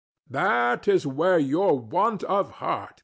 That is where your want of heart came in.